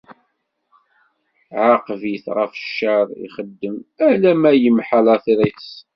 Ɛaqeb-it ɣef ccer ixeddem, alamma yemḥa lateṛ-is.